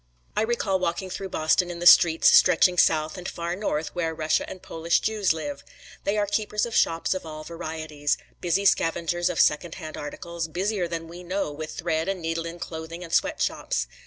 I recall walking through Boston in the streets stretching South and far North where Russia and Polish Jews live. They are keepers of shops of all varieties, busy scavengers of second hand articles; busier than we know, with thread and needle in clothing and sweat shops.